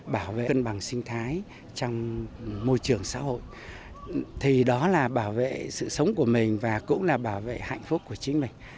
bảo vệ cân bằng sinh thái trong môi trường xã hội thì đó là bảo vệ sự sống của mình và cũng là bảo vệ hạnh phúc của chính mình